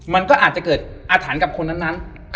มันก็อาจจะเกิดอาถรรพ์กับคนนั้น